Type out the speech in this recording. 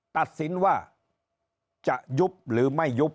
ตัดสินว่าจะยุบหรือไม่ยุบ